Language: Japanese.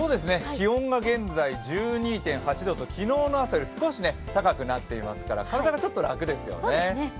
気温が現在１２．８度と昨日の朝より少し高くなっていますから体がちょっと楽ですよね。